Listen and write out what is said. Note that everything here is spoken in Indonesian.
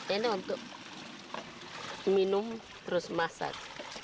ini untuk minum terus masak